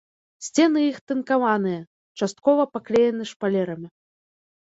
Сцены іх тынкаваныя, часткова паклеены шпалерамі.